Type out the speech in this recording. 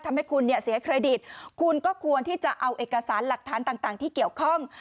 ทำให้คุณเนี่ยเสียเครดิตคุณก็ควรที่จะเอาเอกสารหลักฐานต่างที่เกี่ยวข้อง